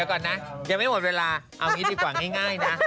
ยังไม่หมดเวลาเอาอย่างนี้ดีกว่าง่ายนะ